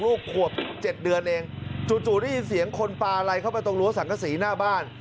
ลูกขวบ๗เดือนเองจู่ได้ยินเสียงคนปลาอะไรเข้าไปตรงรั้วสังกษีหน้าบ้าน